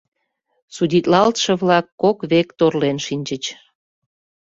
Судитлалтше-влак кок век торлен шинчыч.